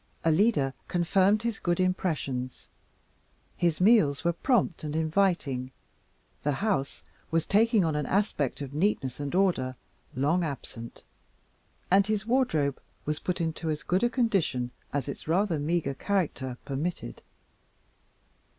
Alida confirmed his good impressions. His meals were prompt and inviting; the house was taking on an aspect of neatness and order long absent, and his wardrobe was put in as good condition as its rather meager character permitted.